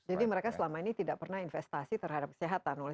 mereka selama ini tidak pernah investasi terhadap kesehatan